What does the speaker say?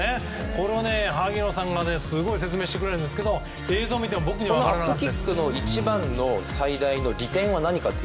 これは萩野さんがすごい説明してくれるんですけど映像見ても僕には分かりませんでした。